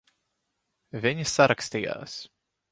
Viņi sarakstījās.